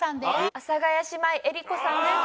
阿佐ヶ谷姉妹江里子さんです。